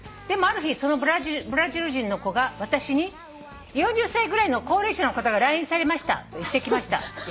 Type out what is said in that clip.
「でもある日そのブラジル人の子が私に４０歳ぐらいの高齢者の方が来院されましたと言ってきました」